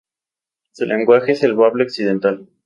Su lenguaje es el bable occidental.